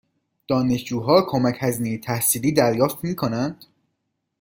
دانشجوها کمک هزینه تحصیلی دریافت می کنند؟